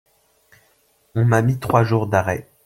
On m’a mis trois jours d’arrêt.